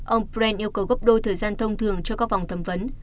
ông brand yêu cầu góp đôi thời gian thông thường cho các vòng thẩm vấn